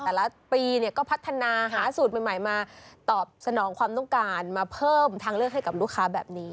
แต่ละปีเนี่ยก็พัฒนาหาสูตรใหม่มาตอบสนองความต้องการมาเพิ่มทางเลือกให้กับลูกค้าแบบนี้